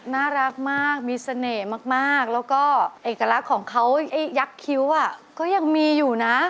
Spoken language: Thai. น่ารักมากมีเสน่ห์มากแล้วก็เอกลักษณ์ของเขายักษ์คิ้วก็ยังมีอยู่นะ